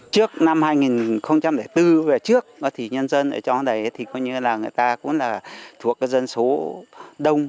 trước năm hai nghìn bốn nhân dân ở trong đó cũng thuộc dân số đông